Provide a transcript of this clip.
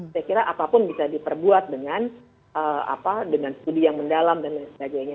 saya kira apapun bisa diperbuat dengan studi yang mendalam dan lain sebagainya